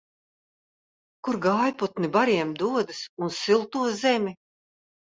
Kur gājputni bariem dodas un silto zemi?